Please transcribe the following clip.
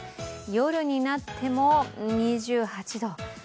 夜になっても２８度。